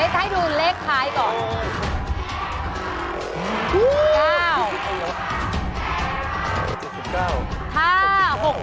เจ๊คอดเจ๊คอดเจ๊คอดเจ๊คอดเจ๊คอด